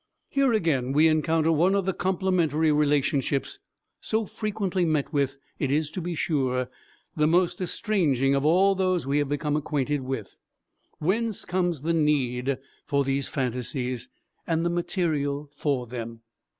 Here again we encounter one of the complementary relationships so frequently met with; it is, to be sure, the most estranging of all those we have become acquainted with. Whence comes the need for these phantasies, and the material for them?